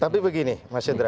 tapi begini mas yedra